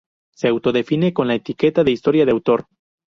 Se autodefine con la etiqueta de historia de autor.